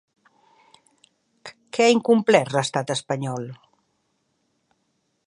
Què ha incomplert l'Estat espanyol?